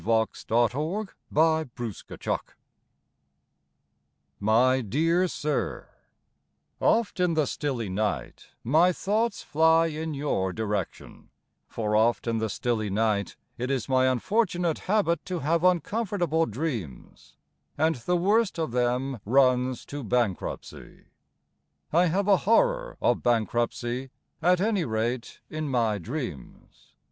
TO AN HOTEL KEEPER My dear Sir, Oft in the stilly night My thoughts fly In your direction, For oft in the stilly night It is my unfortunate habit To have uncomfortable dreams, And the worst of them Runs to bankruptcy. I have a horror of bankruptcy, At any rate in my dreams.